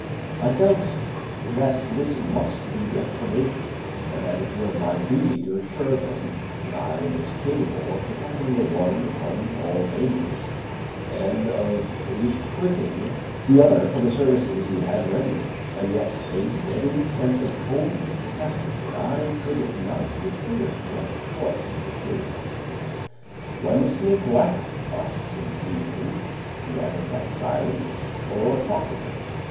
I felt that this must be the explanation and that it was my duty to assure them that I was capable of protecting the one from all dangers, and of requiting the other for the services he had rendered. And yet, a deadly sense of coldness oppressed me and I could not determine what course to pursue. When Smith left us in the evening, we either kept silence or talked of him.